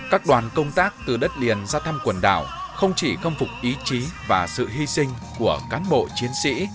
các đoàn công tác từ đất liền ra thăm quần đảo không chỉ khâm phục ý chí và sự hy sinh của cán bộ chiến sĩ